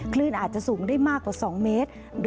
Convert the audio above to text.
คลื่นอาจจะสูงได้มากกว่า๒เมตร